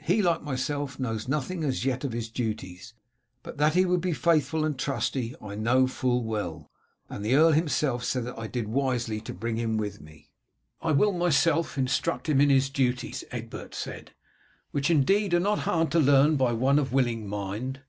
"He, like myself, knows nothing as yet of his duties, but that he will be faithful and trusty I know full well, and the earl himself said that I did wisely to bring him with me." "I will myself instruct him in his duties," Egbert said, "which indeed are not hard to learn by one of willing mind.